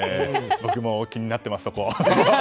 僕も気になってます、そこ。